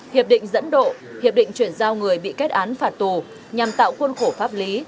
hiệp định dẫn độ hiệp định chuyển giao người bị kết án phạt tù nhằm tạo khuôn khổ pháp lý